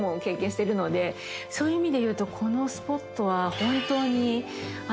そういう意味でいうと。